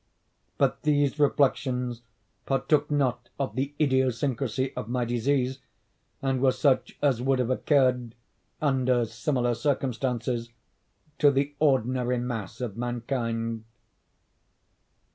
But these reflections partook not of the idiosyncrasy of my disease, and were such as would have occurred, under similar circumstances, to the ordinary mass of mankind.